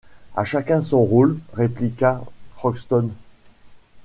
À chacun son rôle, répliqua Crockston.